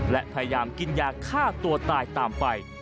และพยายามกินยาฆ่าตัวตายตามไป